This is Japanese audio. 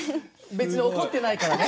別に怒ってないからね。